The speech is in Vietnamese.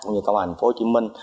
cũng như công an tp hcm